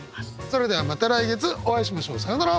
それではまた来月お会いしましょう。さようなら！